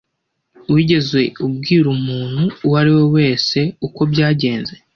Wigeze ubwira umuntu uwo ari we wese uko byagenze?